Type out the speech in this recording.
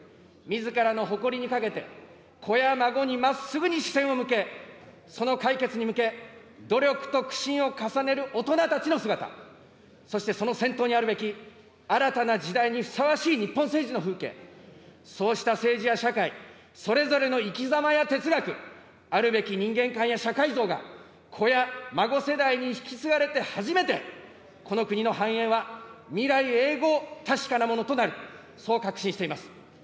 みずからの誇りにかけて、子や孫にまっすぐに視線を向け、その解決に向け、努力を苦心を重ねる大人たちの姿、そしてその先頭にあるべき新たな時代にふさわしい日本政治の風景、そうした政治や社会、それぞれの生きざまや哲学、あるべき人間観や社会像が子や孫世代に引き継がれて初めて、この国の繁栄は未来永ごう、確かなものとなる、そう確信しています。